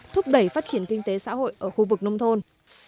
thúc đẩy phát triển kinh tế xã hội ở khu vực nông thôn